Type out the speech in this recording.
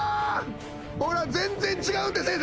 ほら全然違うって先生